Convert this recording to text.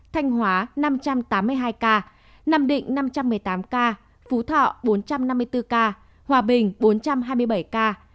thanh hóa năm trăm tám mươi hai ca nam định năm trăm một mươi tám ca phú thọ bốn trăm năm mươi bốn ca hòa bình bốn trăm hai mươi bảy ca